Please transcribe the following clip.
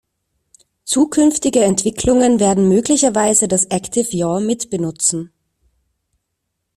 Zukünftige Entwicklungen werden möglicherweise das Active Yaw mitbenutzen.